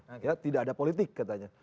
akhirnya tidak ada politik katanya